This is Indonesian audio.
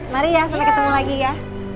mari ya sampai ketemu lagi ya